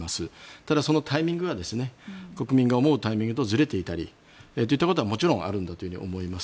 ただ、そのタイミングは国民が思うタイミングとずれていたりといったことはもちろんあるんだと思います。